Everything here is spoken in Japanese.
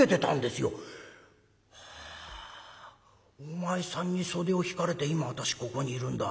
お前さんに袖を引かれて今私ここにいるんだ。